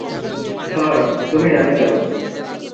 থর, তুমি ডানে যাও।